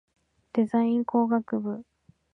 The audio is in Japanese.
デザイン工学部